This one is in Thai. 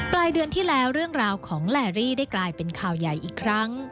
ปลายเดือนที่แล้วเรื่องราวของแลรี่ได้กลายเป็นข่าวใหญ่อีกครั้ง